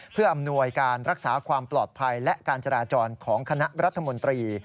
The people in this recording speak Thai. เพื่ออำนวยการรักษาความปลอดภัยและการจราจรของคณะรัฐมนตรี